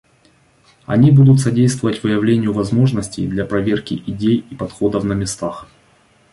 Они будут содействовать выявлению возможностей для проверки идей и подходов на местах.